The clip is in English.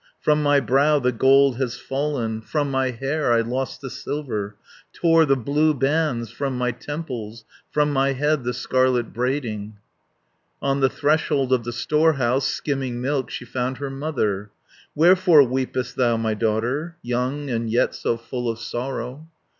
70 From my brow the gold has fallen, From my hair I lost the silver, Tore the blue bands from my temples, From my head the scarlet braiding." On the threshold of the storehouse, Skimming milk, she found her mother. "Wherefore weepest thou, my daughter, Young, and yet so full of sorrow?"